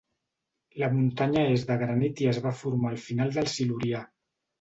La muntanya és de granit i es va formar al final del Silurià.